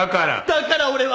だから俺は。